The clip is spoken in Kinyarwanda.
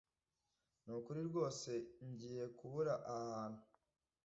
Nukuri rwose ngiye kubura aha hantu.